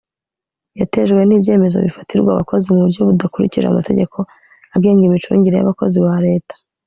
Yatejwe n ibyemezo bifatirwa abakozi mu buryo budakurikije amategeko agenga imicungire y abakozi ba leta